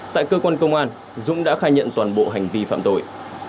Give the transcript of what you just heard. tại cơ quan công an dũng đã khai nhận toàn bộ hành vi phạm tội